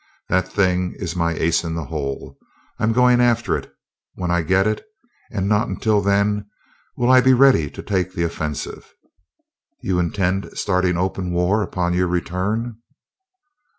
That thing is my ace in the hole. I'm going after it. When I get it, and not until then, will I be ready to take the offensive." "You intend starting open war upon your return?"